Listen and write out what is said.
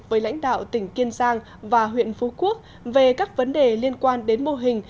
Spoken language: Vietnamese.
với lãnh đạo tỉnh kiên giang và huyện phú quốc về các vấn đề liên quan đến mô hình